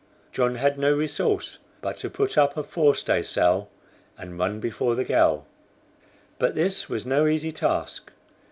John had no resource but to put up a forestaysail, and run before the gale. But this was no easy task.